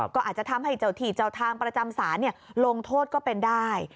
ก็อาจจะทำให้เจ้าที่เจ้าทางประจำศาลลงโทษก็เป็นได้